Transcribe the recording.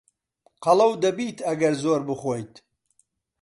قەڵەو دەبیت ئەگەر زۆر بخۆیت.